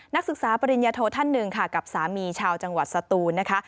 นักศึกษาปริญญาโทท่านหนึ่งค่ะกับสามีชาวจังหวัดสตูนนะคะ